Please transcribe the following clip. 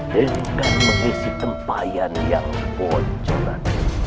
dengan mengisi tempayan yang bocoran